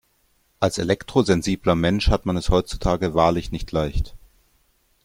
Als elektrosensibler Mensch hat man es heutzutage wahrlich nicht leicht.